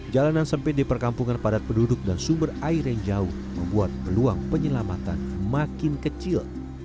jalanan sempit di perkampungan padat penduduk dan sumber air yang jauh membuat peluang penyelamatan makin kecil